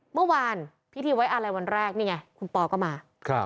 เมื่อวานพิธีไว้อะไรวันแรกนี่ไงคุณปอก็มา